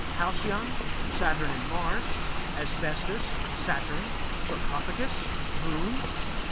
Halcyon Saturn and Mars. Asbestus Saturn. Sarcophagus Moon.